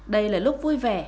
đây là lúc vui vẻ